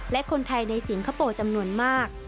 และคนไทยในสิงคโปร์จำนวนมาก